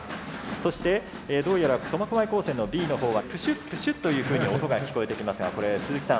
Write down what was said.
そしてどうやら苫小牧高専のＢのほうはプシュップシュッというふうに音が聞こえてきますがこれ鈴木さん